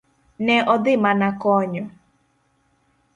Ne odhi mana konyo.